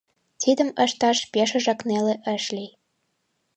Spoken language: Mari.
Тидым ышташ пешыжак неле ыш лий.